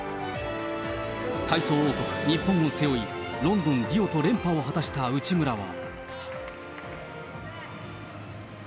体操王国、日本を背負い、ロンドン、リオと連覇を果たした内村は。